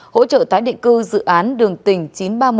hỗ trợ tái định cư dự án đường tỉnh chín trăm ba mươi một